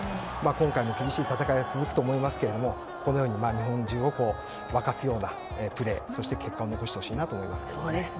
今回も厳しい戦いが続くと思いますけどこのように日本中を沸かせるようなプレーそして結果を残してほしいと思います。